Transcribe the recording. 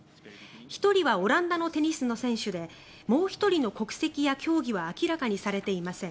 １人はオランダのテニスの選手でもう１人の国籍や競技は明らかにされていません。